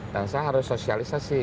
dan saya harus sosialisasi